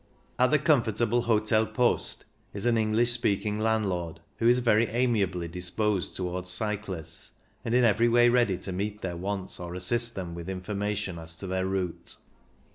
At the comfort able Hotel Post is an English speaking landlord, who is very amiably disposed towards cyclists, and in every way ready to meet their wants or assist them with information as to their route.